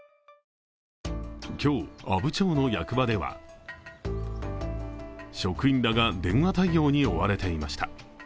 今日、阿武町の役場では、職員らが電話対応に追われていました。